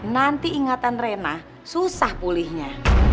nanti ingatan rena susah pulihnya